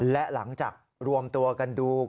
และหลังจากรวมตัวกันดู